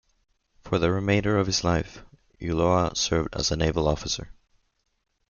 For the remainder of his life, Ulloa served as a naval officer.